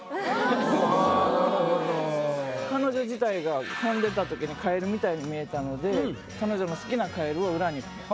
彼女自体が跳んでたときにカエルみたいに見えたので彼女の好きなカエルを裏に。